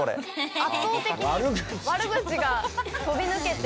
圧倒的に悪口が飛び抜けていますが。